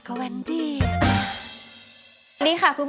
สามารถรับชมได้ทุกวัย